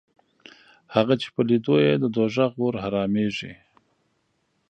هغه چې په لیدو یې د دوزخ اور حرامېږي